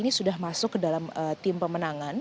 ini sudah masuk ke dalam tim pemenangan